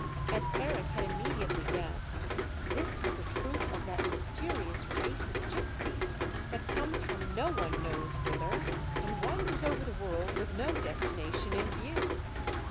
As Eric had immediately guessed, this was a troop of that mysterious race of gypsies that comes from no one knows whither, and wanders over the world with no destination in view.